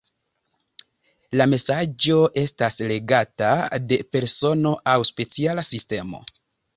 La mesaĝo estas legata de persono aŭ speciala sistemo.